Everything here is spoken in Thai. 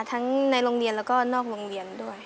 ในโรงเรียนแล้วก็นอกโรงเรียนด้วย